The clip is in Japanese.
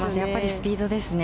スピードですね。